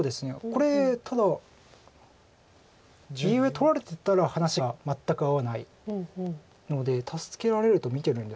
これただ右上取られてたら話が全く合わないので助けられると見てるんですかね。